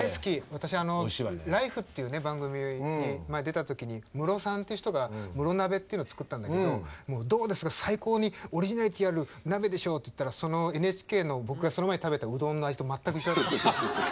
私「ＬＩＦＥ！」っていう番組に前出た時にムロさんっていう人がムロ鍋っていうのを作ったんだけど「どうですか最高にオリジナリティーある鍋でしょ」って言ったらそのＮＨＫの僕がその前に食べたうどんの味と全く一緒だった。